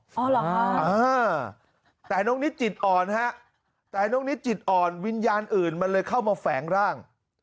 อ๋อเหรอแต่น้องนิดจิตอ่อนฮะแต่น้องนิดจิตอ่อนวิญญาณอื่นมันเลยเข้ามาแฝงร่าง